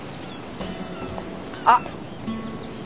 あっ。